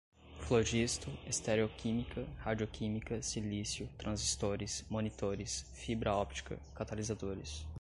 flogisto, estereoquímica, radioquímica, silício, transistores, monitores, fibra óptica, catalisadores